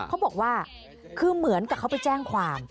เขาบอกว่าคือเหมือนกับเขาไปแจ้งความ